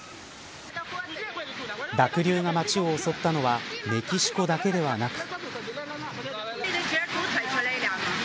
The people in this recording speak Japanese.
濁流が街を襲ったのはメキシコだけではなく。